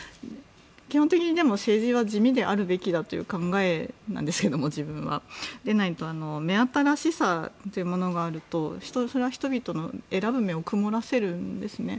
基本的に政治は地味であるべきだという考えなんですけれどもでないと目新しさというものがあると人々の選ぶ目を曇らせるんですね。